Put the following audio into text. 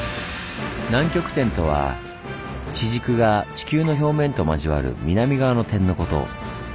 南極点とは地軸が地球の表面と交わる南側の点のこと。